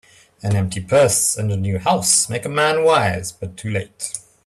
An empty purse, and a new house, make a man wise, but too late